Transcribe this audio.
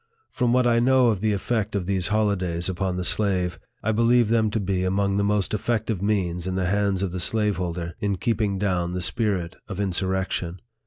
From what I know of the effect of these holidays upon the slave, I believe them to be among the most effective means in the hands of the slaveholder in keeping down the spirit of insurrection.